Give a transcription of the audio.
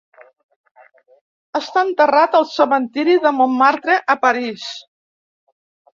Està enterrat al cementiri de Montmartre a París.